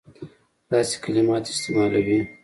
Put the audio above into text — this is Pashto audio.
داسي کلمات استعمالوي.